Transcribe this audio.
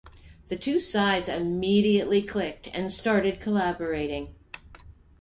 The two sides immediately clicked and started collaborating.